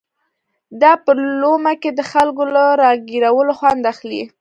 دا په لومه کې د خلکو له را ګيرولو خوند اخلي.